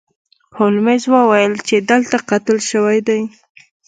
هولمز وویل چې دلته قتل شوی دی.